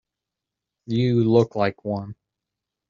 You look like one.